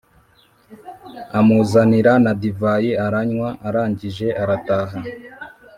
amuzanira na divayi aranywa arangije arataha